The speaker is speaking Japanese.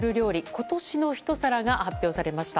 今年の一皿が発表されました。